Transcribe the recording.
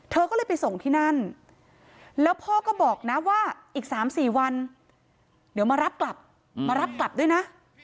เธอก็เลยไปส่งที่นั่นแล้วพ่อก็บอกนะว่าอีก๓๔วันเดี๋ยวมารับกลับมารับกลับด้วยนะ